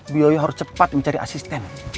bu yoyo harus cepat mencari asisten